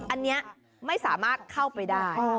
อันนี้ไม่สามารถเข้าไปได้